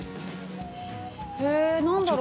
へ、何だろう。